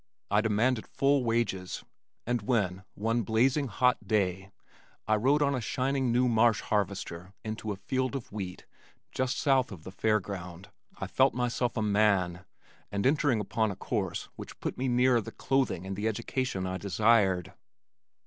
I demanded full wages and when one blazing hot day I rode on a shining new Marsh harvester into a field of wheat just south of the Fair Ground, I felt myself a man, and entering upon a course which put me nearer the clothing and the education I desired.